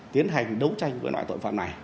tiến hành đấu tranh với loại tội phạm này